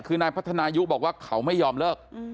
คือนายพัฒนายุบอกว่าเขาไม่ยอมเลิก